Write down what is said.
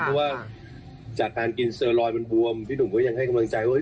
เพราะว่าจากการกินเซอร์ลอยมันบวมพี่หนุ่มก็ยังให้กำลังใจว่า